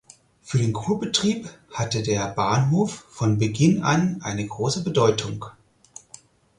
Für den Kurbetrieb hatte der Bahnhof von Beginn an eine große Bedeutung.